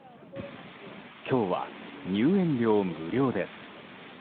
今日は入園料無料です。